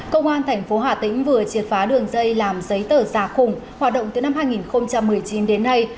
công an tp hà tĩnh vừa triệt phá đường dây làm giấy tờ giả khủng hoạt động từ năm hai nghìn một mươi chín đến nay